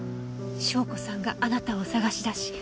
笙子さんがあなたを捜し出し